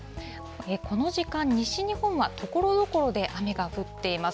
この時間、西日本はところどころで雨が降っています。